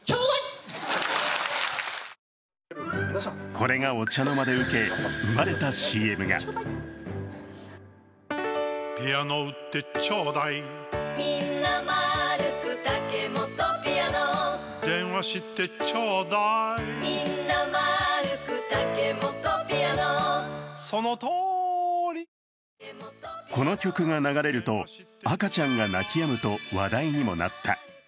これがお茶の間でウケ、生まれたＣＭがこの曲が流れると赤ちゃんが泣き止むと話題にもなった。